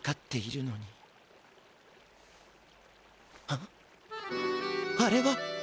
あっあれは！